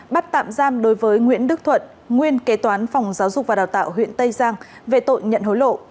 bắt tạm giam đối với nguyễn đức thuận nguyên kế toán phòng giáo dục và đào tạo huyện tây giang về tội nhận hối lộ